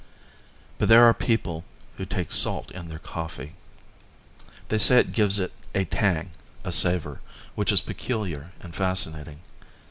But there are people who take salt in their coffee. They say it gives it a tang, a savour, which is peculiar and fascinating.